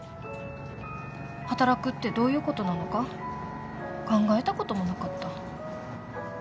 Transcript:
働くってどういうことなのか考えたこともなかった。